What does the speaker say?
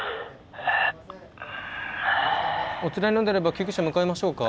おつらいのであれば救急車向かいましょうか？